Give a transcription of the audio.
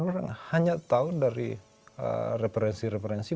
orang hanya tahu dari referensi referensi